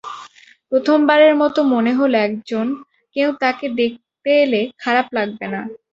প্রথম বারের মতো মনে হলো একজন-কেউ তাঁকে দেখতে এলে খারাপ লাগবে না।